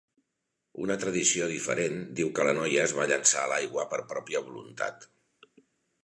Una tradició diferent diu que la noia es va llançar a l'aigua per pròpia voluntat.